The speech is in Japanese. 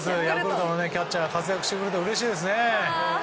ヤクルトのキャッチャーが活躍してくれてうれしいですね。